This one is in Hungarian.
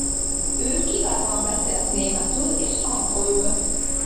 Ő kiválóan beszélt németül és angolul.